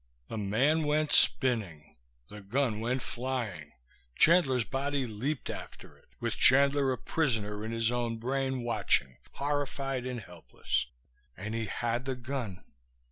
The man went spinning, the gun went flying, Chandler's body leaped after it, with Chandler a prisoner in his own brain, watching, horrified and helpless. And he had the gun!